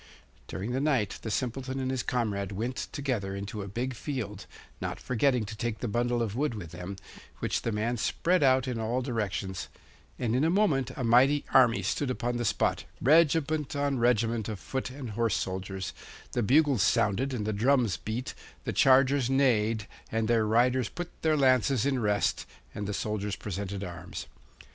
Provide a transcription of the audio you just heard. During the night the Simpleton and his comrade went, together into a big field, not forgetting to take the bundle of wood with them, which the man spread out in all directions and in a moment a mighty army stood upon the spot, regiment on regiment of foot and horse soldiers; the bugles sounded and the drums beat, the chargers neighed, and their riders put their lances in rest, and the soldiers presented arms.